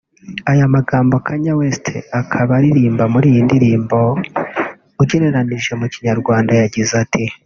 Ayo magambo Kanye West akaba aririmba muri iyi ndirimbo ugenekereje mu Kinyarwanda yagize ati